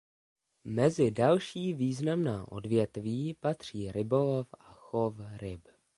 Mezi další významná odvětví patří rybolov a chov ryb.